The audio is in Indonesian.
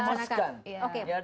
kita harus bisa rumuskan